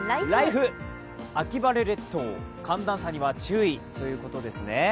秋晴れ列島、寒暖差には注意ということですね。